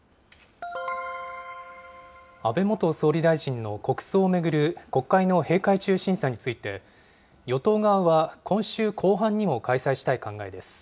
安倍元総理大臣の国葬を巡る国会の閉会中審査について、与党側は今週後半にも開催したい考えです。